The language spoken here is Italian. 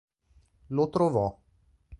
Lo trovò.